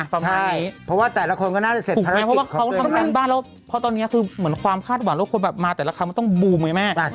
เพราะว่าแต่ละคนก็น่าจะเสร็จภารกิจครับเที่ยวงานบ้านแล้วความคาดหวานว่าคนมาแต่ละครั้งมันต้องบูห์ไหม